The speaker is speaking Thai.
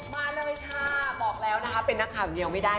มาเลยค่ะบอกแล้วนะคะเป็นนักข่าวอย่างเดียวไม่ได้